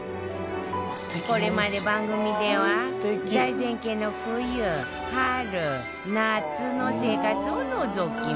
これまで番組では財前家の冬、春、夏の生活をのぞき見。